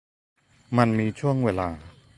มันมีช่วงเวลา